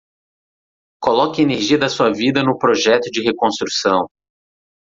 Coloque a energia da sua vida no projeto de reconstrução